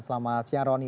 selamat siang rony